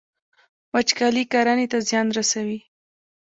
وچکالي کرنې ته زیان رسوي.